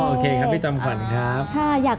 โอเคครับพี่จำขวัญครับ